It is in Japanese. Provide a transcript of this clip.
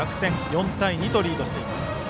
４対２とリードしています。